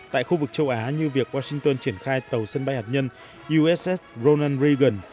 tại khu vực châu á như việc washington triển khai tàu sân bay hạt nhân uss ronan reagan